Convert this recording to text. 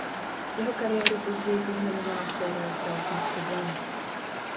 Jeho kariéru později poznamenala série zdravotních problémů.